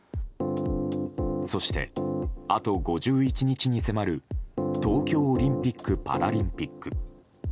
そして、あと５１日に迫る東京オリンピック・パラリンピック。